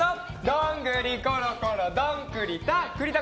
どんぐりころころどん栗田！